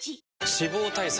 脂肪対策